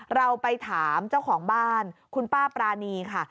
เราไปถามเจ้าของบ้านคุณป้าปรานีค่ะ